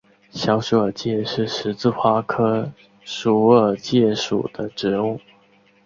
小鼠耳芥是十字花科鼠耳芥属的植物。